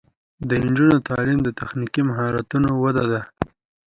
د نجونو تعلیم د تخنیکي مهارتونو وده ده.